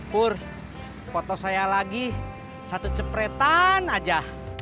kur foto saya lagi satu cepretan aja